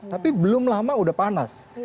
tapi belum lama udah panas